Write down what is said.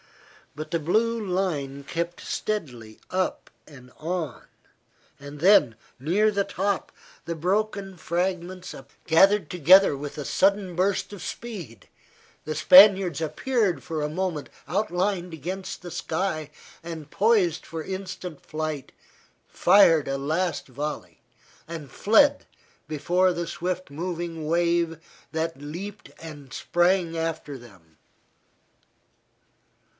But the blue line crept steadily up and on, and then, near the top, the broken fragments gathered together with a sudden burst of speed, the Spaniards appeared for a moment outlined against the sky and poised for instant flight, fired a last volley, and fled before the swift moving wave that leaped and sprang after them.